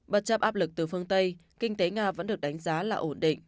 bất chấp áp lực từ phương tây kinh tế nga vẫn được đánh giá là ổn định